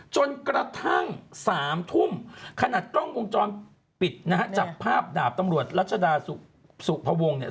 จนกระทั่งสามทุ่มขนาดกล้องวงจรปิดนะฮะจับภาพดาบตำรวจรัชดาสุพวงเนี่ย